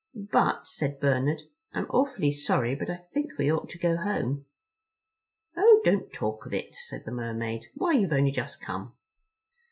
"But," said Bernard, "I'm awfully sorry, but I think we ought to go home." "Oh, don't talk of it," said the Mermaid. "Why, you've only just come."